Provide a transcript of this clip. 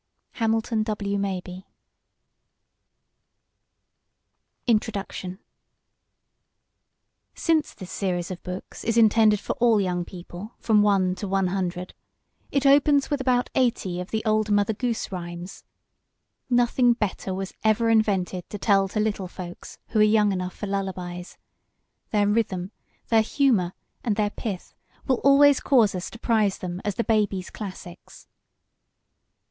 HAMILTON W. MABIE INTRODUCTION Since this series of books is intended for all young people from one to one hundred, it opens with about eighty of the old MOTHER GOOSE RHYMES. Nothing better was ever invented to tell to little folks who are young enough for lullabies. Their rhythm, their humor, and their pith will always cause us to prize them as the Babies' Classics.